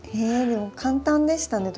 でも簡単でしたね